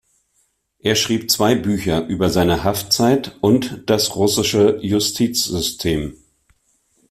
Er schrieb zwei Bücher über seine Haftzeit und das russische Justizsystem.